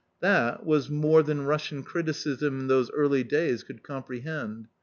That was more v x PREFACE than Russian criticism, in those early days, could compre hend.